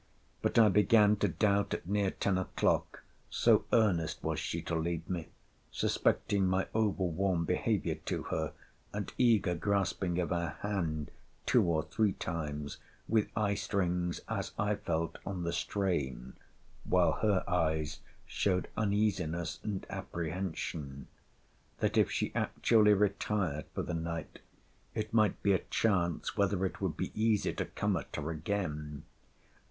But I began to doubt at near ten o'clock, (so earnest was she to leave me, suspecting my over warm behaviour to her, and eager grasping of her hand two or three times, with eye strings, as I felt, on the strain, while her eyes showed uneasiness and apprehension,) that if she actually retired for the night, it might be a chance whether it would be easy to come at her again.